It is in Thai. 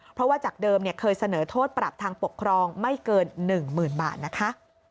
เพราะว่าจากเดิมเคยเสนอโทษปรับทางปกครองไม่เกิน๑๐๐๐บาทนะคะ